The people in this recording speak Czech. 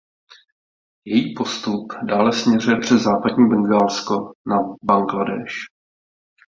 Její postup dále směřuje přes Západní Bengálsko na Bangladéš.